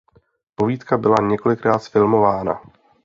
Povídka byla několikrát zfilmována.